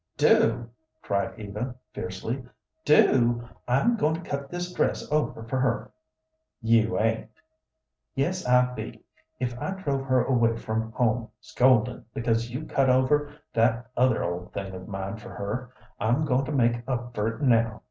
"Do?" cried Eva, fiercely "do? I'm goin' to cut this dress over for her." "You ain't." "Yes, I be. If I drove her away from home, scoldin' because you cut over that other old thing of mine for her, I'm goin' to make up for it now.